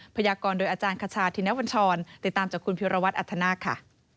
พยากรโดยอาจารย์คชาธินวัญชรติดตามจากคุณพิรวัตรอัธนาคค่ะ